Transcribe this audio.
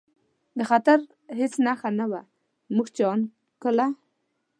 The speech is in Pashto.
د خطر هېڅ نښه نه وه، موږ چې ان کله.